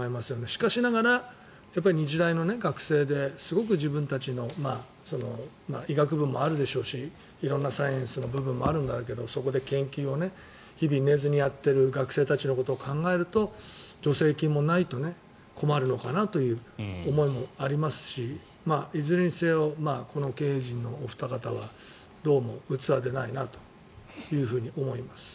しかしながら、日大の学生ですごく自分たちの医学部もあるでしょうし色んなサイエンスの部分もあるんだろうけどそこで研究を日々寝ずにやっている学生たちのことを考えると助成金もないと困るのかなという思いもありますしいずれにせよこの経営陣のお二方はどうも器でないなという感じがします。